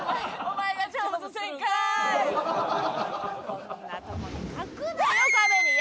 こんなとこに書くなよ壁に。